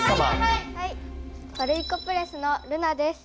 ワルイコプレスのるなです。